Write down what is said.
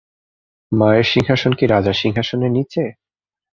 মায়ের সিংহাসন কি রাজার সিংহাসনের নীচে!